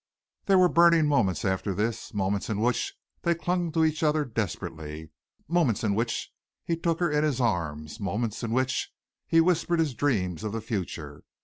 There were burning moments after this, moments in which they clung to each other desperately, moments in which he took her in his arms, moments in which he whispered his dreams of the future.